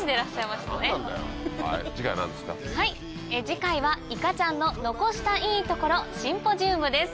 次回はいかちゃんの残したいトコロシンポジウムです。